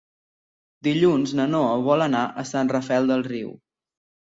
Dilluns na Noa vol anar a Sant Rafel del Riu.